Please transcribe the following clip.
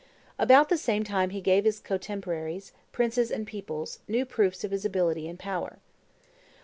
About the same time he gave his contemporaries, princes and peoples, new proofs of his ability and power.